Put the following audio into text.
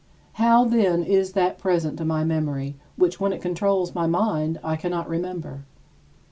How, then, is that present to my memory which, when it controls my mind, I cannot remember?